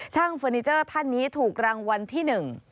ช่างเฟอร์เนเจอร์ท่านนี้ถูกรางวัลที่๑